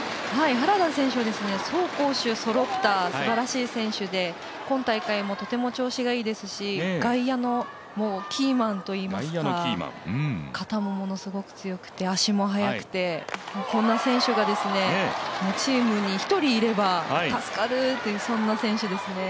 原田選手は走攻守そろったすばらしい選手で今大会もとても調子がいいですし外野のキーマンといいますか肩も、ものすごく強くて足も速くてこんな選手がチームに１人いれば助かるっていうそんな選手ですね。